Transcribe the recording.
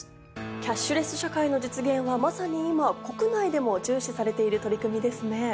キャッシュレス社会の実現はまさに今国内でも重視されている取り組みですね。